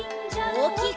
おおきく！